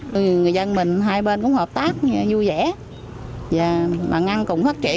người dân mình hai bên cũng hợp tác